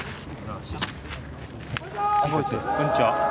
こんにちは。